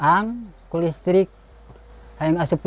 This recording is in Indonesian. dan juga memiliki listrik yang berlalu